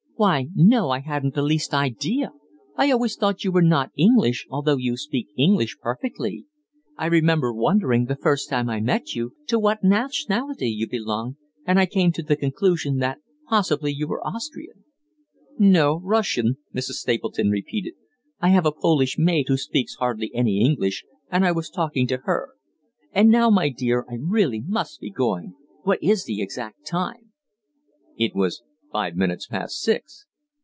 Why, no, I hadn't the least idea. I always thought you were not English, although you speak English perfectly. I remember wondering, the first time I met you, to what nationality you belonged, and I came to the conclusion that possibly you were Austrian." "No, Russian," Mrs. Stapleton repeated. "I have a Polish maid who speaks hardly any English, and I was talking to her. And now, my dear, I really must be going. What is the exact time?" It was five minutes past six.